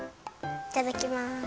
いただきます。